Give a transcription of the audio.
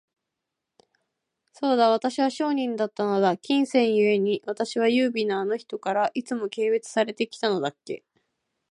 そうだ、私は商人だったのだ。金銭ゆえに、私は優美なあの人から、いつも軽蔑されて来たのだっけ。